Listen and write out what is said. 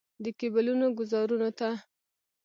د کیبلونو ګوزارونو ته.